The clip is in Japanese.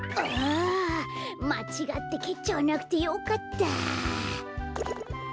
まちがってけっちゃわなくてよかった！